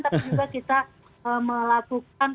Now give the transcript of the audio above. tapi juga kita melakukan